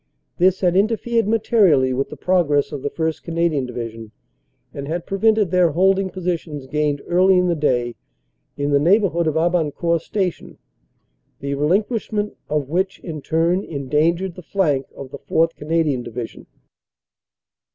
This had interfered materially with the progress of the 1st. Canadian Division, and had prevented their holding positions gained early in the day in the neighborhood of Aban court Station, the relinquishment of which, in turn, endan gered the flank of the 4th. Canadian Division."